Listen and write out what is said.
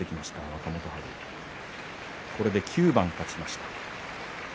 若元春これで９番勝ちました。